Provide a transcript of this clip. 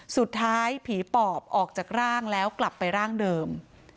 สุดท้ายผีปอบออกจากร่างแล้วกลับไปร่างเดิม